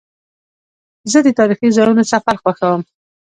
زه د تاریخي ځایونو سفر خوښوم.